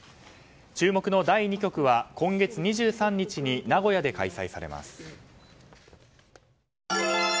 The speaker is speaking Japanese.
注目の第２局は今月２３日に名古屋で開催されます。